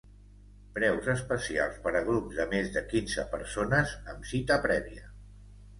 Preus especials per a grups de més de quinze persones, amb cita prèvia.